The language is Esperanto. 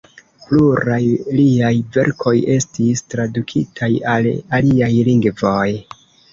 Pluraj liaj verkoj estis tradukitaj al aliaj lingvoj.